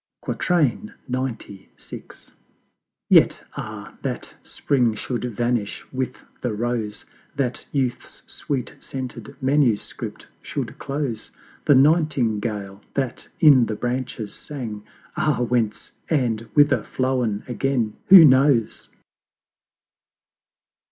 XCVI. Yet Ah, that Spring should vanish with the Rose! That Youth's sweet scented manuscript should close! The Nightingale that in the branches sang, Ah whence, and whither flown again, who knows!